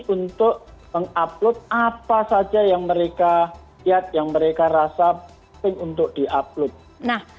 untuk mengupload apa saja yang mereka lihat yang mereka rasa untuk diupload